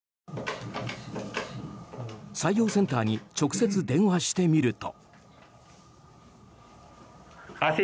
採用センターに直接電話してみると。